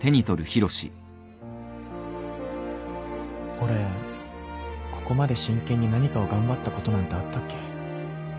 俺ここまで真剣に何かを頑張ったことなんてあったっけ